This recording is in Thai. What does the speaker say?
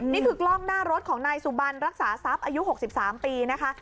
นี่คือกล้องหน้ารถของนายสุบันรักษาทรัพย์อายุ๖๓ปีนะคะ